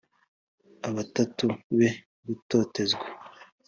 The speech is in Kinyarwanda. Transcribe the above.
abatatu be gutotezwa